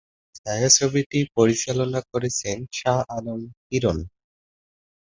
ছায়াছবিটি পরিচালনা করেছেন শাহ আলম কিরণ।